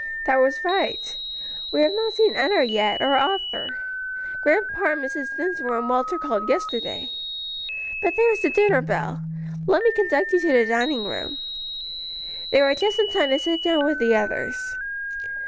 "That was right. We have not seen Enna yet, or Arthur. Grandpa and Mrs. Dinsmore and Walter called yesterday. But there is the dinner bell. Let me conduct you to the dining room." They were just in time to sit down with the others.